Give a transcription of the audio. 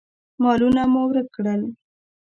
مالونه مو ورک کړل.